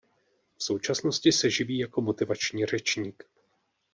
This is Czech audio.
V současnosti se živí jako motivační řečník.